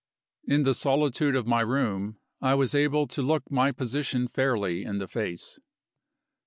In the solitude of my room, I was able to look my position fairly in the face.